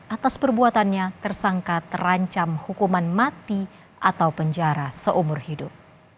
atas perbuatannya tersangka terancam hukuman mati atau penjara seumur hidup